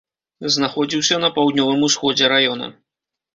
Знаходзіўся на паўднёвым усходзе раёна.